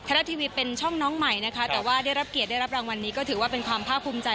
รัฐทีวีเป็นช่องน้องใหม่นะคะแต่ว่าได้รับเกียรติได้รับรางวัลนี้ก็ถือว่าเป็นความภาคภูมิใจ